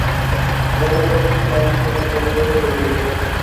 He recognised its affinity with other corvids, naming it "Corvus glandarius".